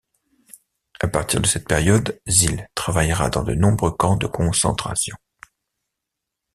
À partir de cette période, Zill travaillera dans de nombreux camps de concentration.